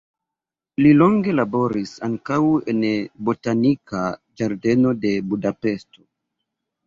Li longe laboris ankaŭ en botanika ĝardeno de Budapeŝto.